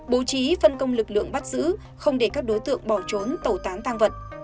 bố trí phân công lực lượng bắt giữ không để các đối tượng bỏ trốn tẩu tán tăng vật